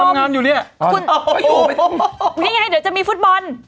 โอ้ยยเดี๋ยวจะมีฟุตบอล